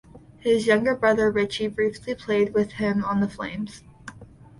His younger brother Richie briefly played with him on the Flames.